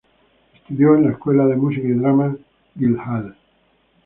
Estudio en la Escuela de Música y Drama Guildhall.